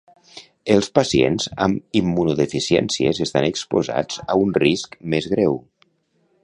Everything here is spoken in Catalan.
Els pacients amb immunodeficiències estan exposats a un risc més greu.